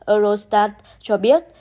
eurostat cho biết